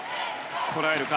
こらえるか。